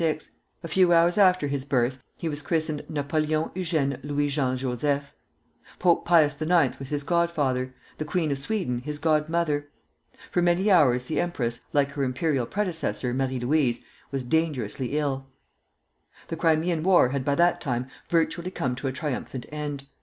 A few hours after his birth he was christened Napoleon Eugène Louis Jean Joseph. Pope Pius IX. was his godfather, the Queen of Sweden his godmother. For many hours the empress, like her imperial predecessor Marie Louise, was dangerously ill. The Crimean War had by that time virtually come to a triumphant end.